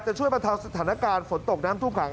จะช่วยประเทศสถานการณ์ฝนตกน้ำทุกขัง